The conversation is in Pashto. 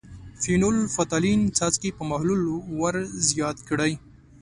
فینول – فتالین څاڅکي په محلول ور زیات کړئ.